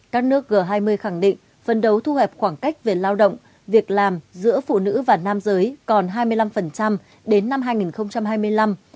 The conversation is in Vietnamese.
các nước g hai mươi khẳng định phân đấu thu hẹp khoảng cách về lao động việc làm giữa phụ nữ và nam giới còn hai mươi năm đến năm hai nghìn hai mươi năm